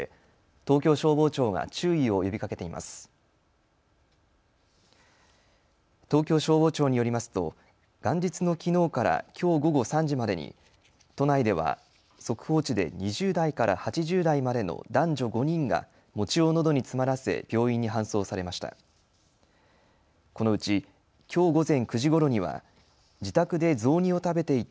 東京消防庁によりますと元日のきのうからきょう午後３時までに都内では速報値で２０代から８０代までの男女５人が餅をのどに詰まらせ病院に搬送されました。